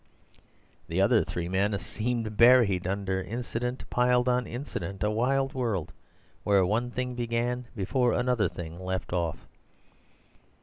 The other three men seemed buried under incident piled on incident— a wild world where one thing began before another thing left off.